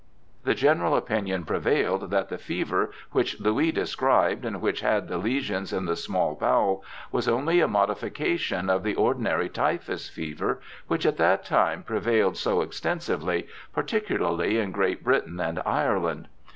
The general opinion prevailed that the fever which Louis described and which had the lesions in the small bowel was only a modification of the ordinary typhus fever which at that time prevailed so extensively, particularly in Great Britain and Ireland.